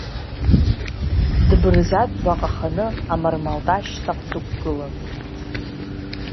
Дбырзатә баҟаханы амармалташь саҟә дықәгылан.